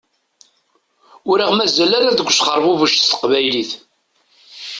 Ur aɣ-mazal ara deg wesxerbubec s teqbaylit.